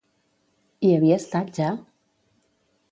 Hi havia estat ja?